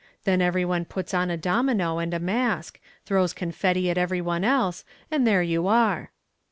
Then every one puts on a domino and a mask, throws confetti at every one else, and there you are."